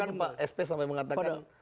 kan pak sp sampai mengatakan